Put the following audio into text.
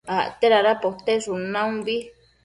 acte dada poteshun naumbi